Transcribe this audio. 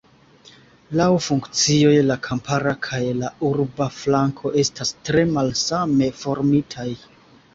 Laŭ funkcioj la kampara kaj la urba flanko estas tre malsame formitaj.